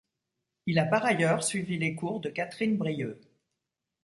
Il a par ailleurs suivi les cours de Catherine Brieux.